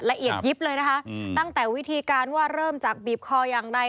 ละเอียดยิปเลยนะคะตั้งแต่วิธีเริ่มจากบีบคอยังไร